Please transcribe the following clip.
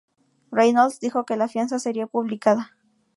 Reynolds dijo que la fianza sería publicada.